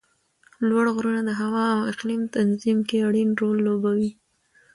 لوړ غرونه د هوا او اقلیم تنظیم کې اړین رول لوبوي